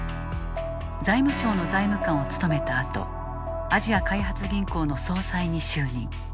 財務省の財務官を務めたあとアジア開発銀行の総裁に就任。